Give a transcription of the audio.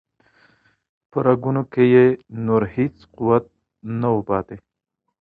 په رګونو کې یې نور هیڅ قوت نه و پاتې.